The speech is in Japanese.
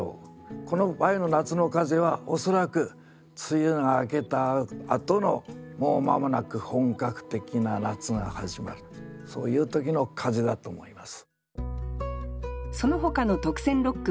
この場合の「夏の風」は恐らく梅雨が明けたあとのもう間もなく本格的な夏が始まるそういう時の風だと思います。